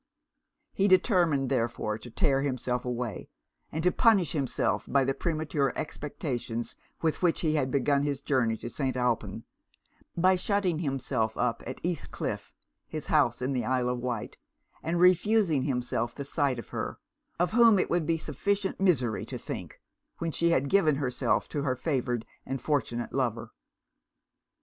He determined, therefore, to tear himself away; and to punish himself for the premature expectations with which he had begun his journey to St. Alpin, by shutting himself up at East Cliff (his house in the Isle of Wight) and refusing himself the sight of her, of whom it would be sufficient misery to think, when she had given herself to her favoured and fortunate lover.